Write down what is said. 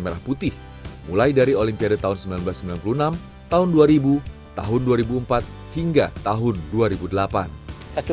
merah putih mulai dari olimpiade tahun seribu sembilan ratus sembilan puluh enam tahun dua ribu tahun dua ribu empat hingga tahun dua ribu delapan belas